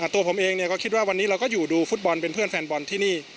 ตัวผมเองก็คิดว่าวันนี้เราก็อยู่ดูฟุตบอลเป็นเพื่อนแฟนบอลที่นี่